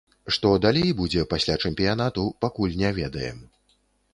Што далей будзе, пасля чэмпіянату, пакуль не ведаем.